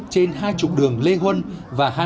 trên hai trục đường lê huân và